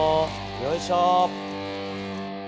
よいしょ。